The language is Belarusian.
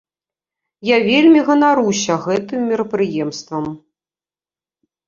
Я вельмі ганаруся гэтым мерапрыемствам.